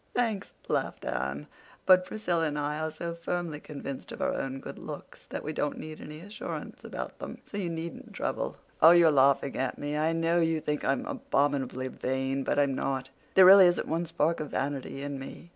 "Thanks," laughed Anne, "but Priscilla and I are so firmly convinced of our own good looks that we don't need any assurance about them, so you needn't trouble." "Oh, you're laughing at me. I know you think I'm abominably vain, but I'm not. There really isn't one spark of vanity in me.